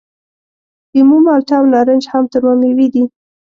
لیمو، مالټه او نارنج هم تروه میوې دي.